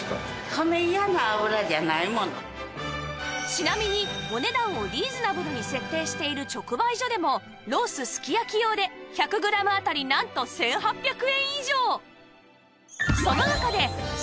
ちなみにお値段をリーズナブルに設定している直売所でもロースすき焼き用で１００グラムあたりなんと１８００円以上！